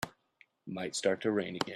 Might start to rain again.